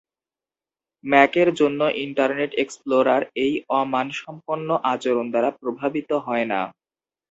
ম্যাকের জন্য Internet Explorer এই অ-মানসম্পন্ন আচরণ দ্বারা প্রভাবিত হয় না।